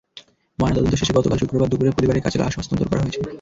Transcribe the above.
ময়নাতদন্ত শেষে গতকাল শুক্রবার দুপুরে পরিবারের কাছে লাশ হস্তান্তর করা হয়েছে।